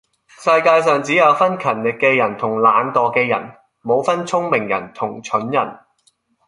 世界上只有分勤力嘅人同懶惰嘅人，冇分聰明人同蠢人